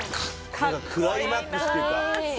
クライマックスというか。